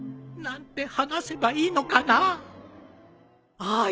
何て話せばいいのかなあ